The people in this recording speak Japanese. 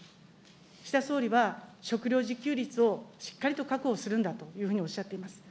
岸田総理は、食料自給率をしっかりと確保するんだというふうにおっしゃっています。